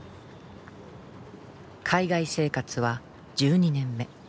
海外生活は１２年目。